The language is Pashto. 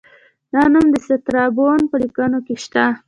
دا نوم د سترابون په لیکنو کې شته